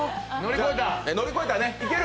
乗り越えたね、いける！